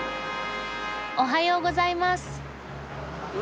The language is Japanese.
おはようございます。